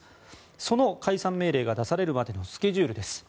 その解散命令が出されるまでのスケジュールです。